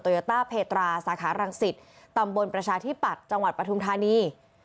โยต้าเพตราสาขารังสิตตำบลประชาธิปัตย์จังหวัดปทุมธานี